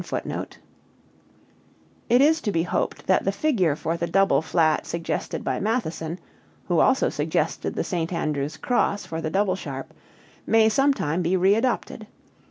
[Footnote 3: It is to be hoped that the figure for the double flat suggested by Mattheson (who also suggested the St. Andrew's cross ([symbol]) for the double sharp) may some time be readopted.